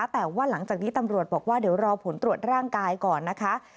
แต่ว่าหลังจากนี้ตำรวจบอกว่าเดี๋ยวรอผลตรวจร่างกายก่อนนะคะ